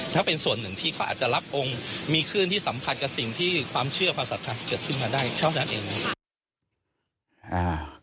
ถ้าเป็นส่วนหนึ่งที่เขาจะรับองค์มีคลื่นที่สัมพันธ์กับสิ่งที่ความเชื่อความศาสนาเกิดขึ้นมาได้เจ้านั้นเอง